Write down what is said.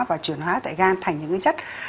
và chuyển hóa tại gan thành những cái chất